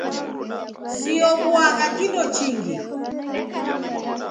Siobuagha kindo chingi.